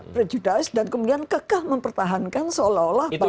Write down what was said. prejudice dan kemudian kekah mempertahankan seolah olah bahwa